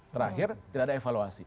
terakhir tidak ada evaluasi